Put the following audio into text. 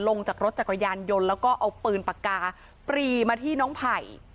ลงจากรถจักรยานยนต์แล้วก็เอาปืนปากกาปรีมาที่น้องไผ่